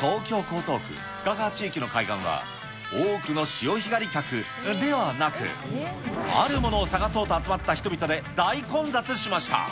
東京・江東区深川地域の海岸は、多くの潮干狩り客、ではなく、あるものを探そうと集まった人々で大混雑しました。